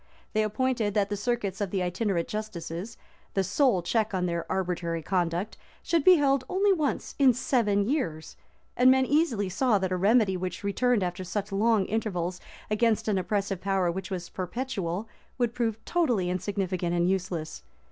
They appointed that the circuits of the itinerant justices, the sole check on their arbitrary conduct, should be held only once in seven years, and men easily saw that a remedy which returned after such long intervals, against an oppressive power which was perpetual, would prove totally insignificant and useless.